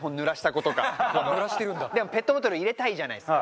でもペットボトル入れたいじゃないですか。